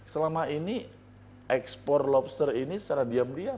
selama ini ekspor lobster ini secara diam diam